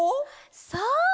そう！